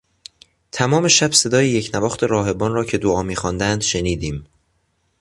تمام شب صدای یکنواخت راهبان را که دعا میخواندند شنیدیم.